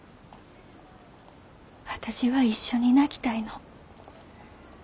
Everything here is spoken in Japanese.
私は一緒に泣きたいの。